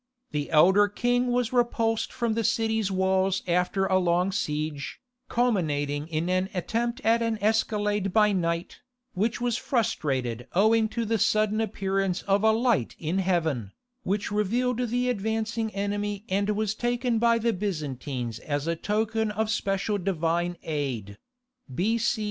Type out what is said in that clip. The elder king was repulsed from the city's walls after a long siege, culminating in an attempt at an escalade by night, which was frustrated owing to the sudden appearance of a light in heaven, which revealed the advancing enemy and was taken by the Byzantines as a token of special divine aid [B.C.